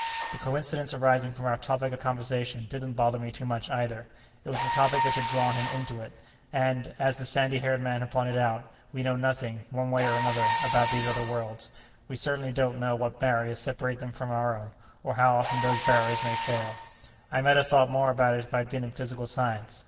The coincidence arising from our topic of conversation didn't bother me too much, either. It was the topic which had drawn him into it. And, as the sandy haired man had pointed out, we know nothing, one way or another, about these other worlds; we certainly don't know what barriers separate them from our own, or how often those barriers may fail. I might have thought more about that if I'd been in physical science.